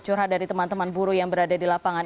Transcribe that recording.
curhat dari teman teman buruh yang berada di lapangan